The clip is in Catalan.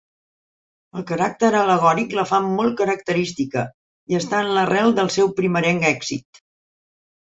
El caràcter al·legòric la fa molt característica i està en l'arrel del seu primerenc èxit.